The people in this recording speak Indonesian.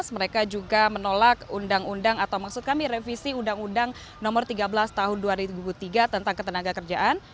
mereka juga menolak undang undang atau maksud kami revisi undang undang nomor tiga belas tahun dua ribu tiga tentang ketenaga kerjaan